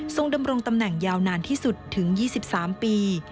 ดำรงตำแหน่งยาวนานที่สุดถึง๒๓ปี